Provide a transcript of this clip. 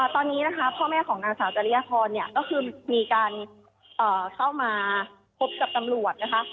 ตอนนี้นะคะพ่อแม่ของนางสาวจริยพรเนี่ยก็คือมีการเข้ามาพบกับตำรวจนะคะ